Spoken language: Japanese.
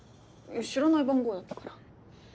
知らない番号だったから。